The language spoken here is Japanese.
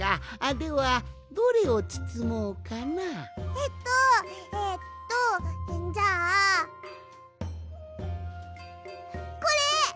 えっとえっとじゃあこれ！